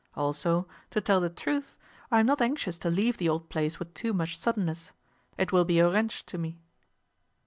Also, to tell the truth, I am not anxious to leave the old place with too much suddenness. It will be a wrench to me.